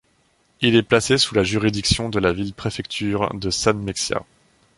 Il est placé sous la juridiction de la ville-préfecture de Sanmenxia.